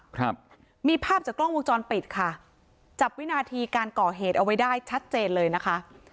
ครับมีภาพจากกล้องวงจรปิดค่ะจับวินาทีการก่อเหตุเอาไว้ได้ชัดเจนเลยนะคะ